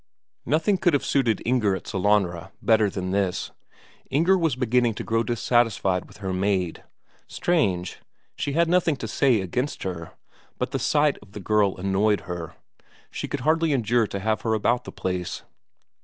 Nothing could have suited Inger at Sellanraa better than this; Inger was beginning to grow dissatisfied with her maid. Strange; she had nothing to say against her, but the sight of the girl annoyed her, she could hardly endure to have her about the place.